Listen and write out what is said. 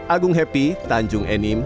agung happy tanjung edim